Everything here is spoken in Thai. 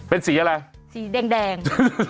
เป็นสีอะไรสีแดง